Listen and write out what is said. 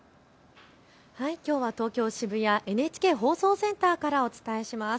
きょうは東京渋谷ＮＨＫ放送センターからお伝えします。